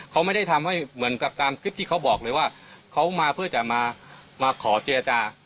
เขาไม่ได้ทำให้เหมือนกับตามคลิปที่เขาบอกเลยว่าเขามาเพื่อจะมามาขอเจรจา